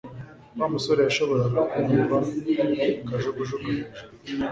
Wa musore yashoboraga kumva kajugujugu hejuru